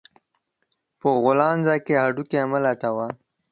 په غولانځه کې هډو کى مه لټوه